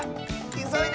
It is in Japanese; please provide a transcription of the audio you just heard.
いそいで！